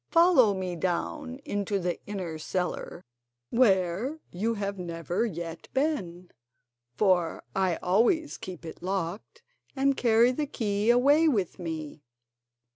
Follow me down into the inner cellar, where you have never yet been, for I always keep it locked and carry the key away with me."